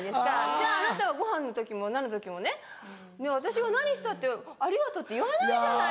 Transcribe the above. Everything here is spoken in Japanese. じゃああなたはごはんの時も何の時もね私が何したってありがとうって言わないじゃない。